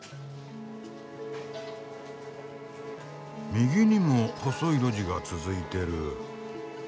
右にも細い路地が続いてる。